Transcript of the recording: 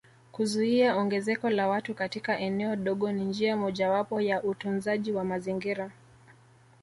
kuzuia ongezeko la watu katika eneo dogo ni njia mojawapo ya utunzaji wa mazingira